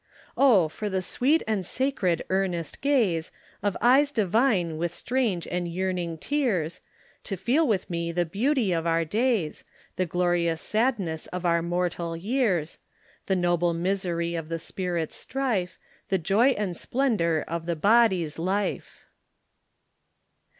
"O for the sweet and sacred earnest gaze Of eyes divine with strange and yearning tears To feel with me the beauty of our days, The glorious sadness of our mortal years The noble misery of the spirit's strife, The joy and splendour of the body's life."